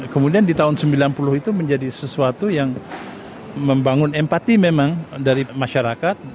kemudian di tahun sembilan puluh itu menjadi sesuatu yang membangun empati memang dari masyarakat